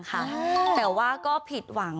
แต่ว่าก็ผิดหวัง